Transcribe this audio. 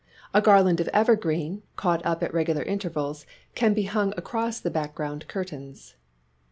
A garland of evergreen, caught up at regular intervals, can be hung across the background curtains.